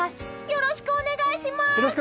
よろしくお願いします！